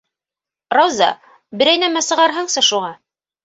Рауза, берәй нәмә сығарһаңсы шуға.